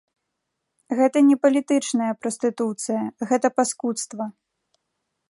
Гэта не палітычная прастытуцыя, гэта паскудства.